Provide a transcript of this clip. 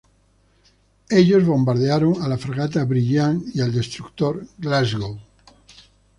Ellos bombardearon a la fragata "Brilliant" y al destructor "Glasgow".